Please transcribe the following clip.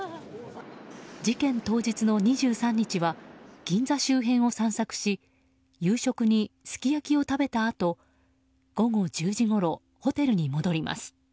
事件当日の２３日は銀座周辺を散策し夕食にすき焼きを食べたあと午後１０時ごろホテルに戻ります。